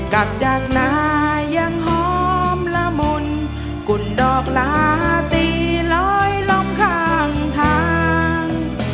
กลับจากนายยังหอมละมุนกุ่นดอกลาตีลอยล้มข้างทาง